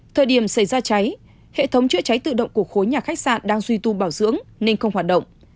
thời điểm xảy ra cháy hệ thống chữa cháy tự động của khối nhà khách sạn đang duy tu bảo dưỡng nên không hoạt động